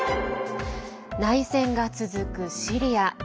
内戦が続くシリア。